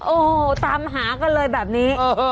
โอ้โหตามหากันเลยแบบนี้